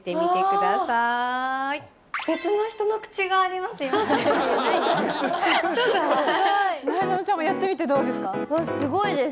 なえなのちゃんもやってみてすごいです。